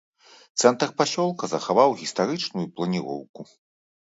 Цэнтр пасёлка захаваў гістарычную планіроўку.